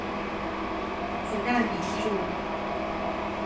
子彈筆記術